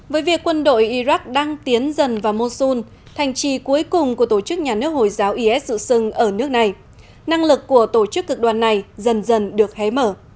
với việc quân đội iraq đang tiến dần vào mosun thành trì cuối cùng của tổ chức nhà nước hồi giáo is dự xưng ở nước này năng lực của tổ chức cực đoàn này dần dần được hé mở